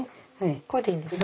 これでいいですか。